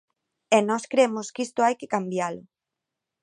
E nós cremos que isto hai que cambialo.